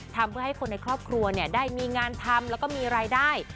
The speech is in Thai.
ทำให้คนในครอบครัวได้มีงานทำแล้วก็มีรายได้